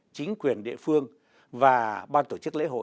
chính quyền địa phương và ban tổ chức lễ hội